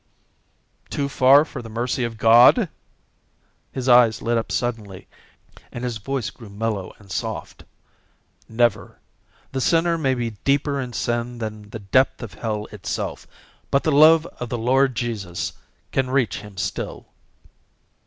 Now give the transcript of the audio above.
"Too far for the mercy of God?" His eyes lit up suddenly and his voice grew mellow and soft. "Never. The sinner may be deeper in sin than the depth of hell itself, but the love of the Lord Jesus can reach him still."